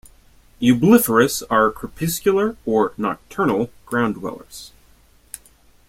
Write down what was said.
"Eublepharis" are crepuscular or nocturnal ground-dwellers.